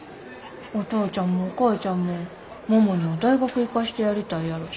お父ちゃんもお母ちゃんも桃には大学行かしてやりたいやろし。